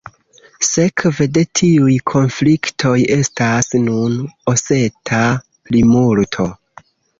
Sekve de tiuj konfliktoj estas nun oseta plimulto.